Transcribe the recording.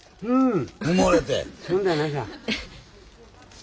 うん。